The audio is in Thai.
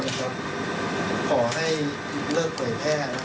กับประเทศไทยด้วยครับที่มีบุคคลอย่างผมอย่างนี้